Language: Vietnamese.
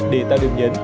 để tạo điểm nhấn